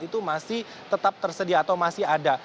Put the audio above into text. itu masih tetap tersedia atau masih ada